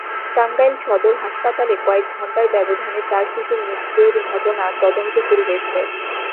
টাঙ্গাইল সদর হাসপাতালে কয়েক ঘণ্টার ব্যবধানে চার শিশুর মৃত্যুর ঘটনায় তদন্ত শুরু হয়েছে।